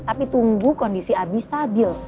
tapi tunggu kondisi abi stabil